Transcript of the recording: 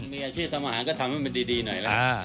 ถ้าลูกมีอาชีพทำอาหารก็ทำให้มันดีหน่อย